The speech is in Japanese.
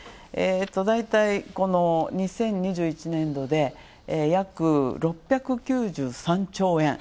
だいたい、この２０２１年度で約６９３兆円。